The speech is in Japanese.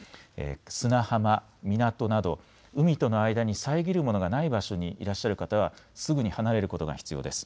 砂浜、港など海との間に遮るものがない場所にいらっしゃる方はすぐに離れることが必要です。